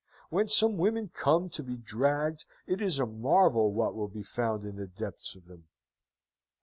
When some women come to be dragged, it is a marvel what will be found in the depths of them.